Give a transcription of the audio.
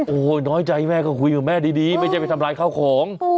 โอ้โหน้อยใจแม่ก็คุยกับแม่ดีไม่ใช่ไปทำลายข้าวของ